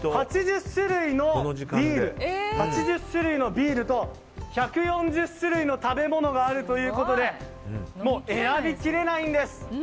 こちら、８０種類のビールと１４０種類の食べ物があるということで選びきれないんです。